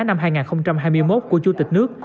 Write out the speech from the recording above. năm hai nghìn hai mươi một của chủ tịch nước